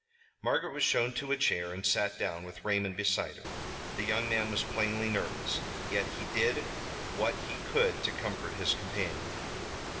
Margaret was shown to a chair and sat down, with Raymond beside her. The young man was plainly nervous, yet he did what he could to comfort his companion.